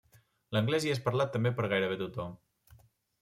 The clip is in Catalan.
L'anglès hi és parlat també per gairebé tothom.